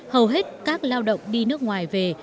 hầu hết các lao động đi nước ngoài về